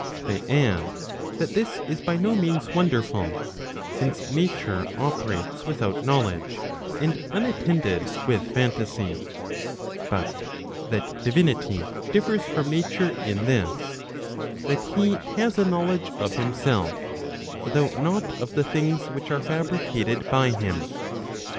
They add, that this is by no means wonderful, since nature operates without knowledge, and unattended with phantasy; but that divinity differs from nature in this, that he has a knowledge of himself, though not of tbe things which are fabricated by him.